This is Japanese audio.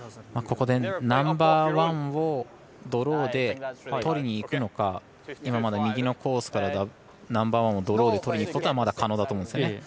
ここでナンバーワンをドローでとりにいくのか今、右のコースからナンバーワンをドローで取りにいくことは可能だと思うんですね。